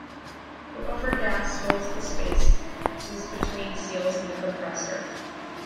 The buffer gas fills the spaces between seals in the compressor.